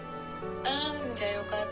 ああじゃあよかった。